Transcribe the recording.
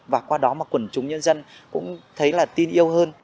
và qua đó mà quần chúng nhân dân cũng thấy là tin yêu hơn